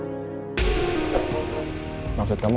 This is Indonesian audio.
bisa kembali seperti sebelumnya